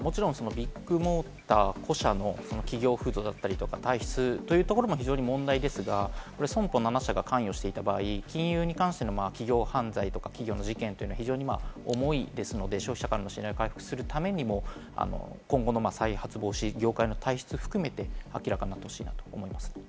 もちろんビッグモーター本社の企業風土だったり、体質というところも問題ですが、損保７社が関与していた場合、金融に関しての企業犯罪とか企業事件は、非常に重いので消費者間の信頼を回復するためにも、今後の再発防止、業界の体質を含めて明らかになってほしいと思います。